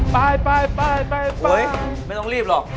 ไปไปไม่ต้องรีบหรอก